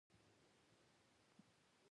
کتاب هغه خواخوږي او مهربانه ملګري دي.